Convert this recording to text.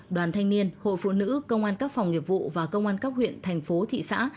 đoàn thanh niên hội phụ nữ công an các phòng nghiệp vụ và công an các huyện thành phố thị xã